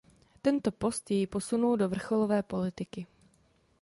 Tento post jej posunul do vrcholové politiky.